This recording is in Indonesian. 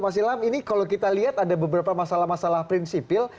mas ilham ini kalau kita lihat ada beberapa masalah masalah prinsipil